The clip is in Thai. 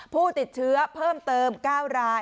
ผู้ติดเชื้อเพิ่มเติม๙ราย